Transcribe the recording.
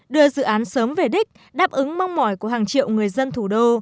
đưa dự án sớm về đích đáp ứng mong mỏi của hàng triệu người dân thủ đô